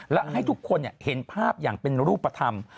และให้ทุกคนเห็นภาพอย่างเป็นรูปธรรม